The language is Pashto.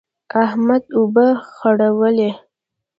احمد اوبه خړولې.